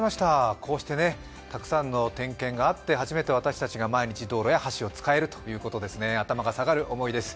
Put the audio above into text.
こうしてたくさんの点検があって初めて、私たちが道路や橋を使えるということですね、頭が下がる思いです。